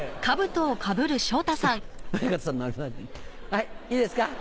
はいいいですか？